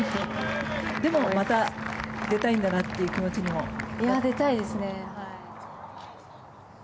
でも、また出たいんだなという気持ちにも。出たいですね。